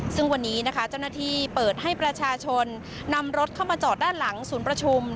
ซึ่งวันนี้นะคะเจ้าหน้าที่เปิดให้ประชาชนนำรถเข้ามาจอดด้านหลังศูนย์ประชุม